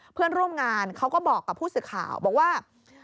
เพื่อนร่วมงานเขาก็บอกกับผู้สื่อข่าวบอกว่า